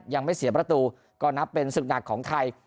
ยังไม่เสียประตูก็นับเป็นศึกหนักของไทย